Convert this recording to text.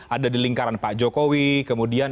ada di lingkaran pak jokowi kemudian